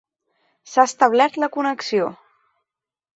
S'ha establert la connexió.